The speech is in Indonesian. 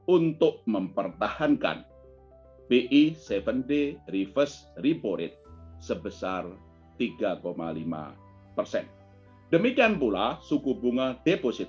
untuk mempertahankan bi tujuh d reverse repo rate sebesar tiga lima persen demikian pula suku bunga deposit